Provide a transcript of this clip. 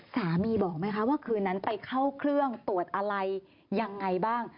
สามีบอกไหมคะว่าคืนนั้นไปเข้าเครื่องตรวจอะไรยังไงบ้าง